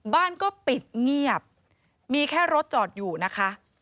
บ้านก็ปิดเงียบมีแค่รถจอดอยู่นะคะ